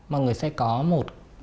mọi người sẽ có một